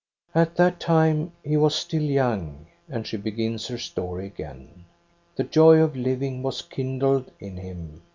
" At that time he was still young ;'* and she begins her story again. "The joy of living was kindled in him.